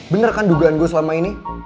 benar kan dugaan gue selama ini